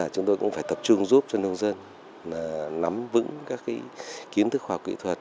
chúng tôi cũng phải tập trung giúp cho nông dân nắm vững các kiến thức khoa học kỹ thuật